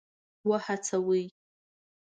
وهڅوي.